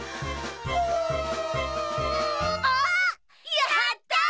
やった！